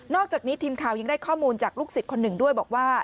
อกจากนี้ทีมข่าวยังได้ข้อมูลจากลูกศิษย์คนหนึ่งด้วยบอกว่า